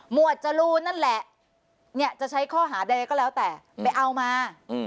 วดจรูนนั่นแหละจะใช้ข้อหาใดก็แล้วแต่ไปเอามา